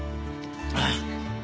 ああ。